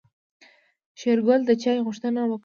شېرګل د چاي غوښتنه وکړه.